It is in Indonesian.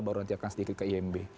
baru nanti akan sedikit lagi